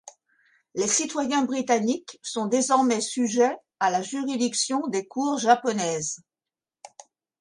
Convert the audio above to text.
Les citoyens britanniques sont désormais sujets à la juridiction des cours japonaises.